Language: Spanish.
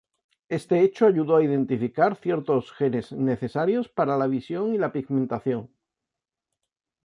Este hecho ayudó a identificar ciertos genes necesarios para la visión y la pigmentación.